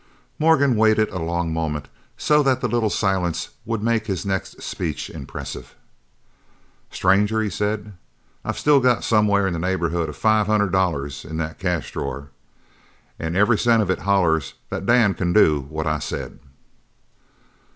Morgan waited a long moment so that the little silence would make his next speech impressive. "Stranger," he said, "I've still got somewhere in the neighbourhood of five hundred dollars in that cash drawer. An' every cent of it hollers that Dan can do what I said."